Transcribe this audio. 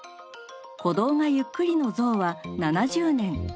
鼓動がゆっくりのゾウは７０年。